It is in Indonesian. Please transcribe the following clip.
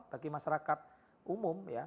bagi masyarakat umum